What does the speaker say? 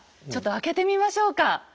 ちょっと開けてみましょうか。